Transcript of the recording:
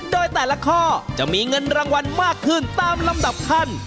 โดยแต่ละข้อจะมีเงินรางวัลมากขึ้นตามลำดับขั้น